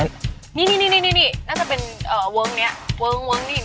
นี่กันข้างบน